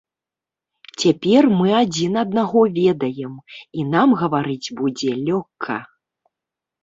Цяпер мы адзін аднаго ведаем, і нам гаварыць будзе лёгка.